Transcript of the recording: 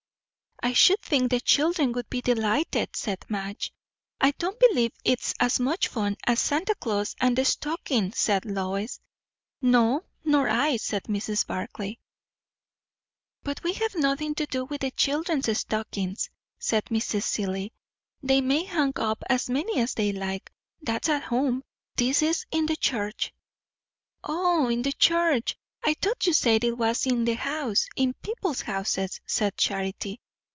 "I should think the children would be delighted," said Madge. "I don't believe it's as much fun as Santa Claus and the stocking," said Lois. "No, nor I," said Mrs. Barclay. "But we have nothing to do with the children's stockings," said Mrs. Seelye. "They may hang up as many as they like. That's at home. This is in the church." "O, in the church! I thought you said it was in the house in people's houses," said Charity.